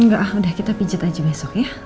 enggak udah kita pijet aja besok ya